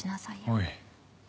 おい。